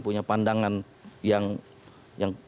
punya pandangan yang